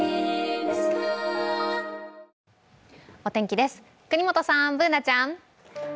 お天気です、國本さん、Ｂｏｏｎａちゃん。